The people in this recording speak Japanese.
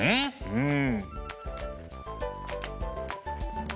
うん。